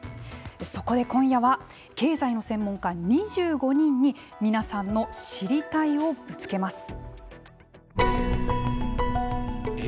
そこで今夜は経済の専門家２５人に皆さんの「知りたい」をぶつけます。